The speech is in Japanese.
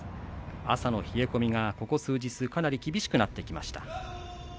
朝の冷え込みがここ数日かなり厳しくなってきました。